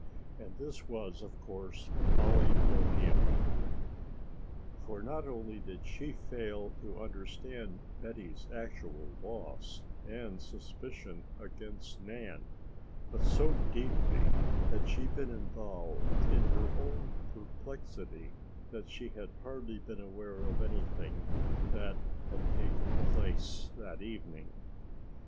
And this was of course Polly O'Neill! For not only did she fail to understand Betty's actual money loss and the suspicion against Nan, but so deeply had she been involved in her own perplexity that she had hardly been aware of anything that had taken place that evening.